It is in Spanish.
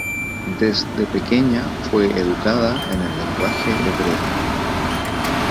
Desde pequeña fue educada en el lenguaje hebreo.